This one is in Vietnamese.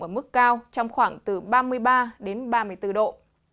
ở mức cao trong khoảng từ ba mươi ba đến ba mươi bốn độ